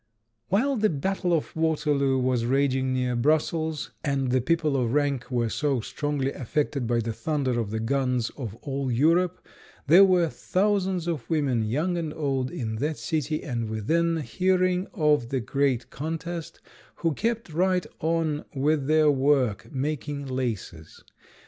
While the battle of Waterloo was raging near Brussels and the people of rank were so strongly affected by the thunder of the guns of all Europe there were thousands of women, young and old, in that city and within hearing of the great contest who kept right on with their work, making laces.